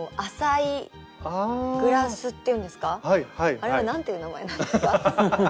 あれは何て言う名前なんですか？